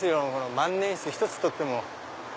万年筆一つとっても。